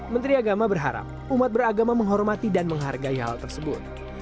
menteri agama berharap umat beragama menghormati dan menghargai hal tersebut